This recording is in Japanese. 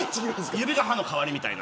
指が歯の代わりみたいな。